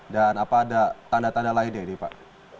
dan apa ada tanda tanda lainnya ini pak